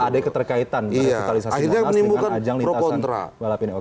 ada keterkaitan revitalisasi timnas dengan ajang lintasan balap ini